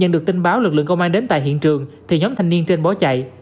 đường thì nhóm thanh niên trên bó chạy